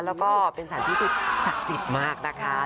แล้วก็เป็นสารที่สรรคสิดษฐ์มากนะคะ